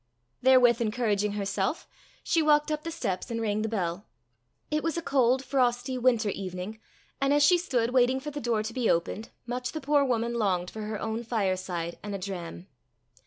Therewith encouraging herself, she walked up the steps and rang the bell. It was a cold, frosty winter evening and as she stood waiting for the door to be opened, much the poor woman longed for her own fireside and a dram.